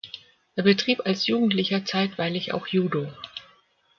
Er betrieb als Jugendlicher zeitweilig auch Judo.